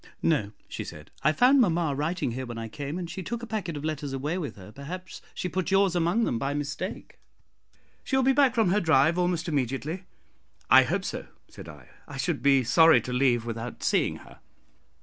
"No," she said; "I found mamma writing here when I came, and she took a packet of letters away with her; perhaps she put yours among them by mistake. She will be back from her drive almost immediately." "I hope so," said I. "I should be sorry to leave without seeing her."